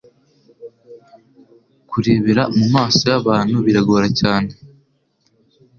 Kurebera mumaso yabantu, biragora cyane